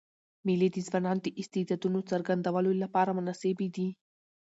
مېلې د ځوانانو د استعدادونو څرګندولو له پاره مناسبي دي.